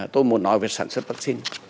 tôi muốn nói về sản xuất vắc xin